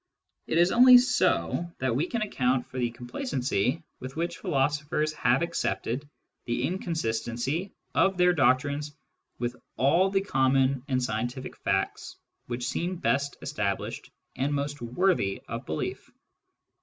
It is only so that we can account for i the complacency with which philosophers have accepted the inconsistency of their doctrines with all the common and scientific facts which seem best established and most worthy of belief.